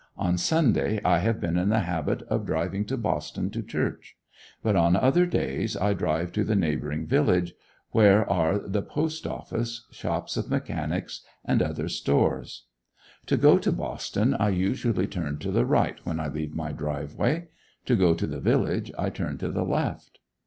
On Sunday I have been in the habit of driving to Boston to church; but on other days, I drive to the neighboring village, where are the post office, shops of mechanics, and other stores. To go to Boston, I usually turn to the right when I leave my driveway; to go to the village, I turn to the left.